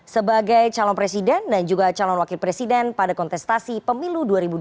sebagai calon presiden dan juga calon wakil presiden pada kontestasi pemilu dua ribu dua puluh